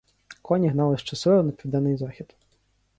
Коні гнали щосили на південний захід.